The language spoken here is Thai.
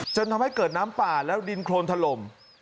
จนทำให้เกิดน้ำป่าแล้วดินโครนถล่ม